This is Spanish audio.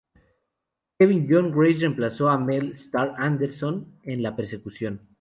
Kevin John Grace reemplazó a Mel "Starr" Anderson en la percusión.